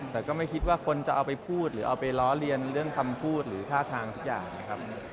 แต่ก็ไม่คิดว่าคนจะเอาไปพูดหรือเอาไปล้อเลียนเรื่องคำพูดหรือท่าทางทุกอย่างนะครับ